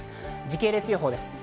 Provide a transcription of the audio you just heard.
時系列予報です。